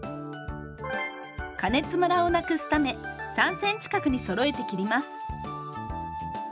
加熱ムラをなくすため３ｃｍ角にそろえて切ります。